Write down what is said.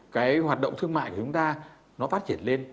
cái hoạt động thương mại của chúng ta nó phát triển lên